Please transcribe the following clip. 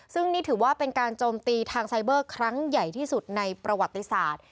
ซึ่งนี่ถือว่าเป็นการโจมตีทางไซเบอร์ครั้งใหญ่ที่สุดในประวัติศาสตร์